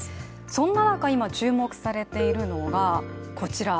そんな中、今注目されているのが、こちら。